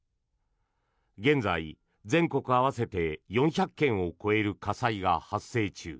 現在、全国合わせて４００件を超える火災が発生中。